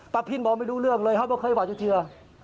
ประพินบอกไม่รู้เรื่องเลยเขาไม่เคยบอกเจ้าเจ้า